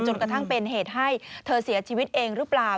กระทั่งเป็นเหตุให้เธอเสียชีวิตเองหรือเปล่า